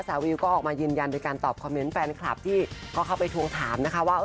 วิวก็ออกมายืนยันโดยการตอบคอมเมนต์แฟนคลับที่ก็เข้าไปทวงถามนะคะว่า